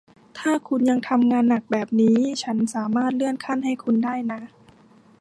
ถ้าคุณยังทำงานหนักแบบนี้ ฉันสามารถเลื่อนขั้นให้คุณได้นะ